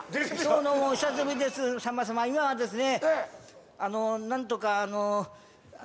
今はですね